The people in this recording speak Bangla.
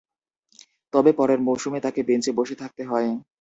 তবে, পরের মৌসুমে তাঁকে বেঞ্চে বসে থাকতে হয়।